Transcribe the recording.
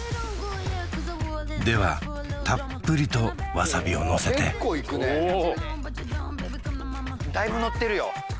ではたっぷりとわさびをのせてだいぶのってるよ